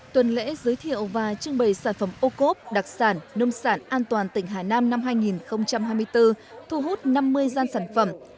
tuần lễ giới thiệu và trưng bày sản phẩm ô cốp đặc sản nông sản an toàn tỉnh hà nam năm hai nghìn hai mươi bốn thu hút năm mươi gian sản phẩm